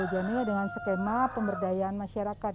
jadi dengan skema pemberdayaan masyarakat